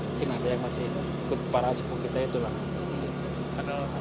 mungkin ada yang masih ikut para sepuh kita itu lah